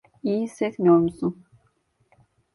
İyi hissetmiyor musun?